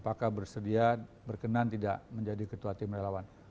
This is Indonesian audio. apakah bersedia berkenan tidak menjadi ketua tim relawan